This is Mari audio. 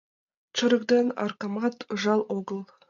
Чырык ден аракамат ыжал огыл.